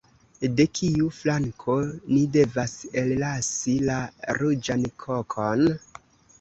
De kiu flanko ni devas ellasi la ruĝan kokon?